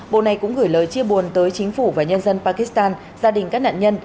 bộ này cũng gửi lời chia buồn tới chính phủ và nhân dân pakistan gia đình các nạn nhân